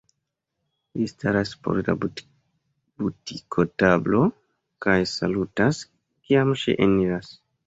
Li staras post la butikotablo kaj salutas, kiam ŝi eniras.